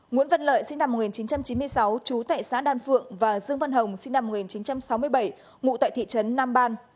nguyễn văn lợi sinh năm một nghìn chín trăm chín mươi sáu chú tại xã đan phượng và dương văn hồng sinh năm một nghìn chín trăm sáu mươi bảy ngụ tại thị trấn nam ban